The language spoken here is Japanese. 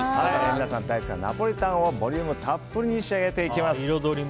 皆さん大好きなナポリタンをボリュームたっぷりに仕上げていきます。